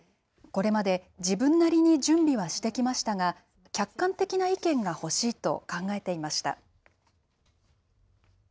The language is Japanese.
これまで自分なりに準備はしてきましたが、客観的な意見が欲しい